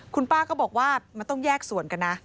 คุณป้าก็บอกว่ามันต้องแยกส่วนกันนะ